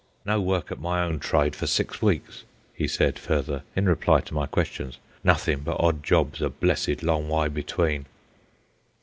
"No work at my own tryde for six weeks," he said further, in reply to my questions; "nothin' but odd jobs a blessed long wy between."